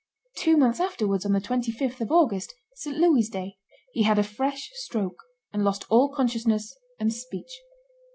Two months afterwards, on the 25th of August, St. Louis's day, he had a fresh stroke, and lost all consciousness and speech.